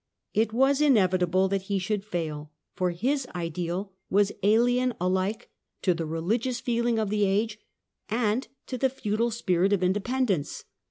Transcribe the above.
It was inevitable that he should fail, for this ideal was alien alike to the religious feeling of the age and to the feudal spirit of independence.